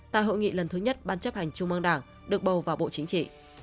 tại hội nghị lần thứ nhất ban chấp hành trung ương đảng được bầu vào bộ chính trị